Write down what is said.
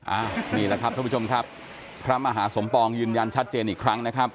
นี่แหละครับท่านผู้ชมครับพระมหาสมปองยืนยันชัดเจนอีกครั้งนะครับ